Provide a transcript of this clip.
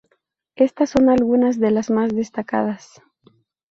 Estas son algunas de las más destacadas.